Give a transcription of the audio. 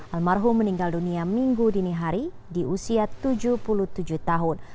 almarhum meninggal dunia minggu dini hari di usia tujuh puluh tujuh tahun